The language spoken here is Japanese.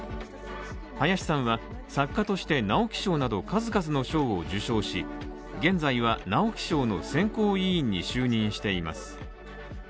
林さんは作家として直木賞など数々の賞を受賞し、現在は直木賞の選考委員に就任しています。